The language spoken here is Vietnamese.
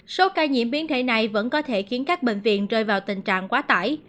số ca nhiễm biến thể này vẫn có thể khiến các bệnh viện rơi vào tình trạng quá tải